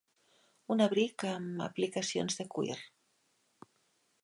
Un abric amb aplicacions de cuir.